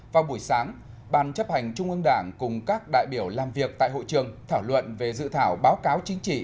vào buổi sáng ban chấp hành trung ương đảng cùng các đại biểu làm việc tại hội trường thảo luận về dự thảo báo cáo chính trị